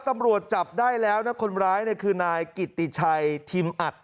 ตำรวจจับได้แล้วนะคนร้ายเนี่ยคือนายกิตติชัยทิมอัด